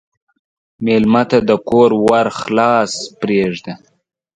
مېلمه ته د کور ور خلاص پرېږده.